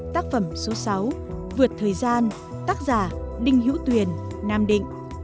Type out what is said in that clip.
tác phẩm số sáu vượt thời gian tác giả đinh hữu tuyền nam định